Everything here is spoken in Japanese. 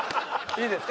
いいですか？